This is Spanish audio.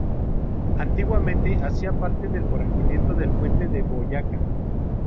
Antiguamente hacía parte del corregimiento de Puente de Boyacá.